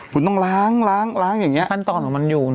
คุณต้องล้างล้างล้างอย่างเงี้ย